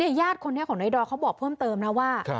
ญาติคนนี้ของนายดอยเขาบอกเพิ่มเติมนะว่า